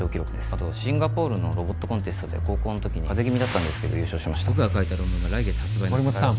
あとシンガポールのロボットコンテストで高校の時に風邪気味だったんですけど優勝しました僕が書いた論文が来月発売の森本さん